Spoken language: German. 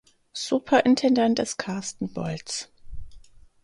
Superintendent ist Carsten Bolz.